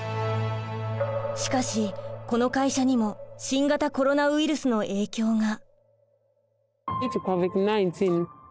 しかしこの会社にも新型コロナウイルスの影響が。